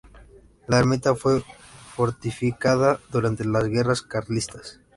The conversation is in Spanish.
La ermita fue fortificada durante las Guerras Carlistas.